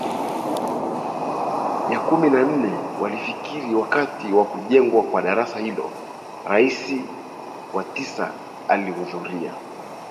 ya kumi na nane walifariki wakati wa kujengwa kwa daraja hilo Rais Xi alihudhuria